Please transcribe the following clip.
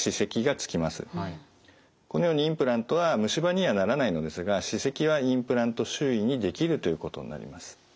このようにインプラントは虫歯にはならないのですが歯石はインプラント周囲に出来るということになります。